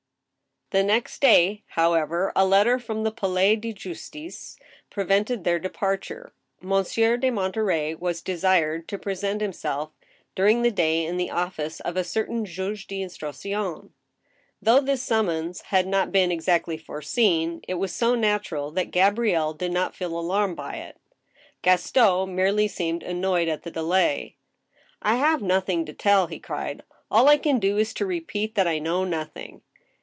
The next day, however, a letter from the Palais de Justice pre vented their departure. Monsieur de Monterey was desired to pre sent himself during the day in the office of a certain juge d'in^ struction. Though this summons had not been exactly foreseen, it was so natural that Gabrielle did not feel alarmed by it. Gaston merely seemed annoyed at the delay. " I have nothing to tell," he cried. " All I can do is to repeat that I know nothing."